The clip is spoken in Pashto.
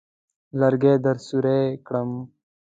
لرګي درسوري کړم.